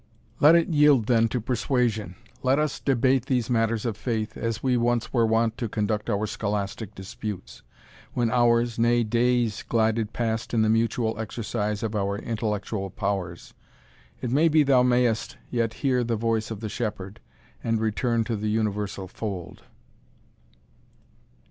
Let it yield then to persuasion. Let us debate these matters of faith, as we once were wont to conduct our scholastic disputes, when hours, nay, days, glided past in the mutual exercise of our intellectual powers. It may be thou mayest yet hear the voice of the shepherd, and return to the universal fold."